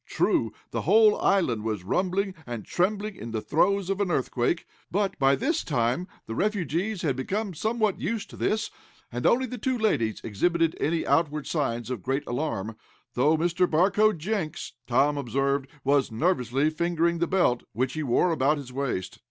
True, the whole island was rumbling and trembling in the throes of an earthquake, but, by this time, the refugees had become somewhat used to this, and only the two ladies exhibited any outward signs of great alarm, though Mr. Barcoe Jenks, Tom observed, was nervously fingering the belt which he wore about his waist.